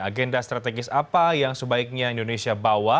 agenda strategis apa yang sebaiknya indonesia bawa